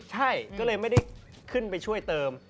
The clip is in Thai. ใช่ก็เลยไม่ได้ขึ้นไปช่วยเติม